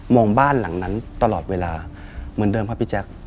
บ้านหลังนั้นตลอดเวลาเหมือนเดิมครับพี่แจ๊ค